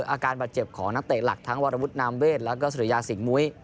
อาการปัจเจ็บของนักเตะหลักทั้งวรรวุชนามเวชลักกสมศิริยาสิม้วย